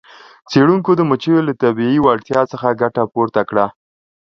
څیړونکو د مچیو له طبیعي وړتیا څخه ګټه پورته کړه.